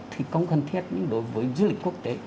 thì không cần thiết nhưng đối với du lịch quốc tế